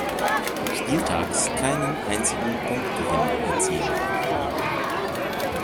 Spieltags keinen einzigen Punktgewinn erzielen.